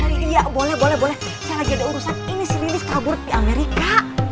ini bijak boleh boleh bolehnya lagi ada urusan ini anunciasi rambut di amerika